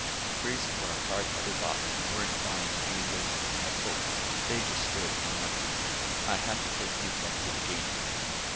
The priests were a hard headed lot and weren't buying any lizards in a poke; they just stood and muttered. I had to take the offensive again.